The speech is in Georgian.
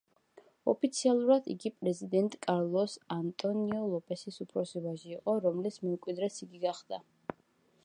ოფიციალურად იგი პრეზიდენტ კარლოს ანტონიო ლოპესის უფროსი ვაჟი იყო, რომლის მემკვიდრეც იგი გახდა.